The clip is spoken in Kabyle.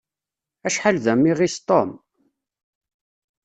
Acḥal d amiɣis, Tom!